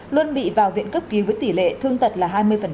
luân bị vào viện cấp cứu với tỷ lệ thương tật là hai mươi